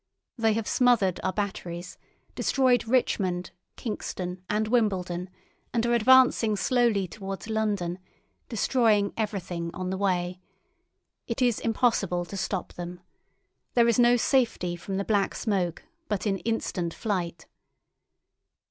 They have smothered our batteries, destroyed Richmond, Kingston, and Wimbledon, and are advancing slowly towards London, destroying everything on the way. It is impossible to stop them. There is no safety from the Black Smoke but in instant flight."